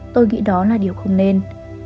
tôi nghĩ đó là điều không nên